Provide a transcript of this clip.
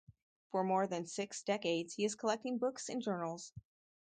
For more than six decades he is collecting books and journals.